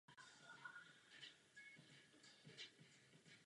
Dívám se na vaši místopředsedkyni, Lady Ashtonovou.